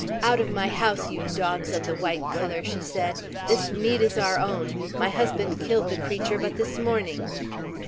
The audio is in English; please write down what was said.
"Out of my house, you dogs of the white color!" she said. "This meat is our own; my husband killed the creature but this morning."